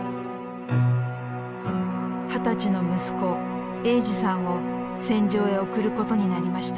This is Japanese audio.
二十歳の息子栄司さんを戦場へ送ることになりました。